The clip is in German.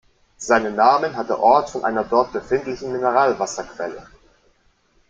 Seinen Namen hat der Ort von einer dort befindlichen Mineralwasserquelle.